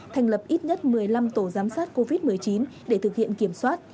thành lập ít nhất một mươi năm tổ giám sát covid một mươi chín để thực hiện kiểm soát